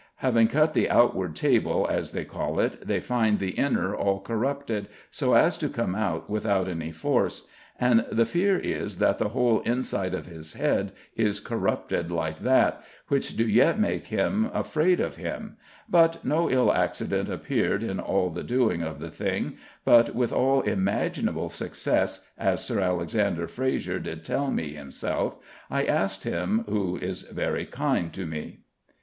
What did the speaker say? Having cut the outward table, as they call it, they find the inner all corrupted, so as to come out without any force; and the fear is that the whole inside of his head is corrupted like that, which do yet make them afraid of him; but no ill accident appeared in all the doing of the thing, but with all imaginable success, as Sir Alexander Frazier did tell me himself, I asking him, who is very kind to me.